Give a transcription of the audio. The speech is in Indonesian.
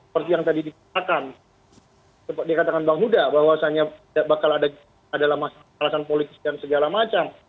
process ditetapkan seperti katakan pada bahwasanya berbakal aja adalah masalah politik dan segala macam